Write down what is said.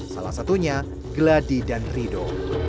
salah satunya geladi dan rido